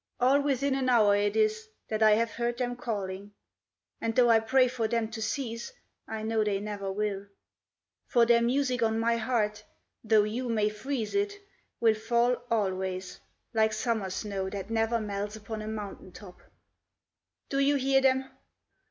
All within an hour it is that I have heard them calling, And though I pray for them to cease, I know they never will; For their music on my heart, though you may freeze it, will fall always, Like summer snow that never melts upon a mountain top. Do you hear them?